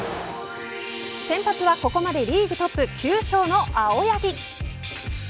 先発は、ここまでリーグトップ９勝の青柳。